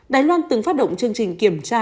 đài loan từng phát động chương trình kiểm tra